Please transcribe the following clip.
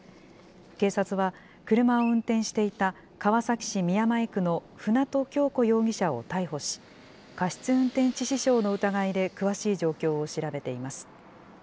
警察は、車を運転していた川崎市宮前区の舟渡今日子容疑者を逮捕し、過失運転致死傷の疑いで詳しい状況を調べています。